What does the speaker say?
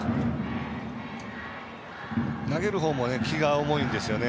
投げる方も気が重いんですよね。